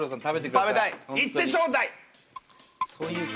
食べたい！